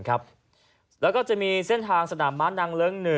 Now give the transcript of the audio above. แล้วก็จะมีเส้นทางสนามม้านางเลิ้ง๑